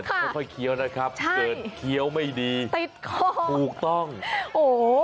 ค่อยค่อยเขี้ยวนะครับใช่เกินเทียวไม่ดีติดจุกต้องโอ้โห